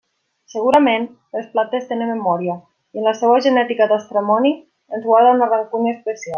Segurament les plantes tenen memòria, i en la seua genètica l'estramoni ens guarda una rancúnia especial.